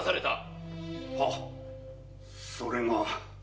はそれが。